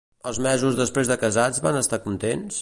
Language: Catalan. Els mesos després de casats van estar contents?